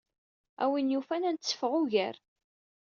A win yufan ad netteffeɣ ugar.